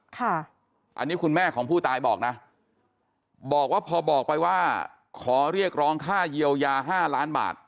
ค่ะอันนี้คุณแม่ของผู้ตายบอกนะบอกว่าพอบอกไปว่าขอเรียกร้องค่าเยียวยาห้าล้านบาท